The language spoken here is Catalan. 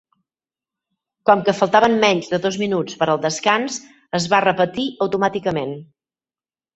Com que faltaven menys de dos minuts per al descans, es va repetir automàticament.